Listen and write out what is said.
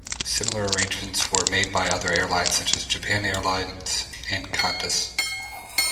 Similar arrangements were made by other airlines, such as Japan Airlines and Qantas.